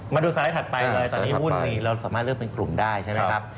สไลด์ถัดไปเลยตอนนี้หุ้นเราสามารถเลือกเป็นกลุ่มได้ใช่ไหมครับ